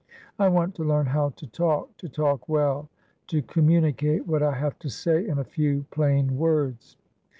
I want to learn how to talkto talk wellto communicate what I have to say in a few plain words.